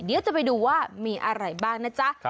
เดี๋ยวจะไปดูว่ามีอะไรบ้างนะจ๊ะ